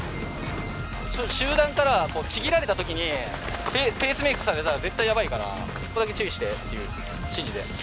集団からちぎられたときに、ペースメイクされたら絶対やばいから、そこだけ注意してという指示で。